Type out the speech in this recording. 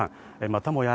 またもや